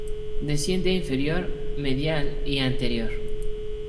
Desciende inferior, medial y anterior.